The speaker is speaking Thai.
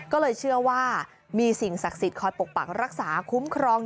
ก็เลยเชื่อว่ามีสิ่งศักดิ์สิทธิ์คอยปกปักรักษาคุ้มครอง